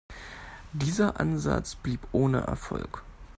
Dieser Ansatz blieb ohne Erfolg.